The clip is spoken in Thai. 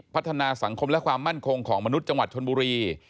พัฒนาสังคมและความมั่นคงของมนุษย์จังหวัดชนบุรี